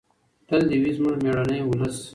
تل دې وي زموږ مېړنی ولس.